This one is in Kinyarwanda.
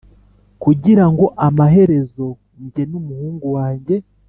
kugirango amaherezo nge n’umuhungu wange